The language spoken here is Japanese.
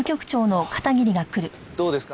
どうですか？